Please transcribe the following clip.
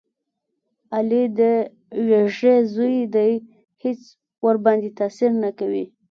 علي د یږې زوی دی هېڅ ورباندې تاثیر نه کوي.